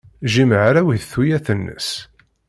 Jim hrawit tuyat-nnes.